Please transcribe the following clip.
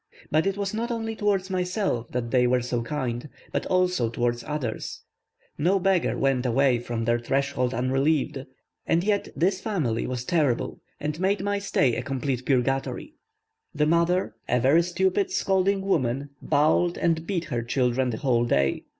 But it was not only towards myself that they were so kind, but also towards others; no beggar went away from their threshold unrelieved; and yet this family was terrible, and made my stay a complete purgatory. The mother, a very stupid scolding woman, bawled and beat her children the whole day.